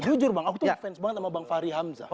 jujur bang aku tuh fans banget sama bang fahri hamzah